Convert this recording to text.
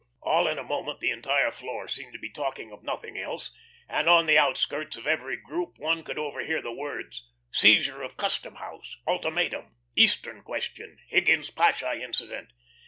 All in a moment the entire Floor seemed to be talking of nothing else, and on the outskirts of every group one could overhear the words: "Seizure of custom house," "ultimatum," "Eastern question," "Higgins Pasha incident."